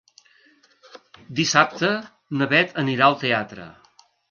Dissabte na Beth anirà al teatre.